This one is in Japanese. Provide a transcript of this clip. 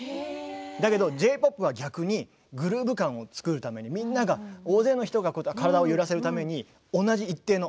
だけどＪ−ＰＯＰとかはグルーブ感を作るために大勢の人が体を揺らせるために一定の。